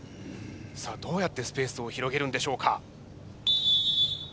さあどうやってスペースを広げるんでしょうか？